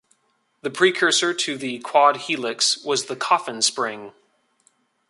The precursor to the quad-helix was the coffin spring.